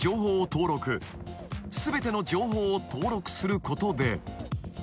［全ての情報を登録することで］